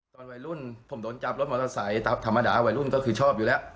ตอนวัยรุ่นผมโดนจับรถมอเตอร์ไซค์ตามธรรมดาวัยรุ่นก็คือชอบอยู่แล้ว